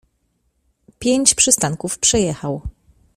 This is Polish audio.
Pięć przystanków przejechał.